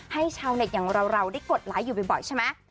ชาวเน็ตอย่างเราได้กดไลค์อยู่บ่อยใช่ไหม